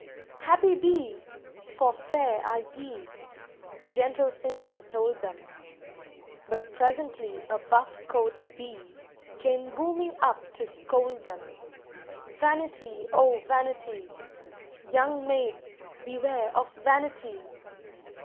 "Happy be! for fair are ye!" the gentle singer told them, But presently a buff coat Bee came booming up to scold them. "Vanity, oh, vanity! Young maids, beware of vanity!"